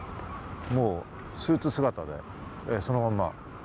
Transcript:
もうスーツ姿でそのまま。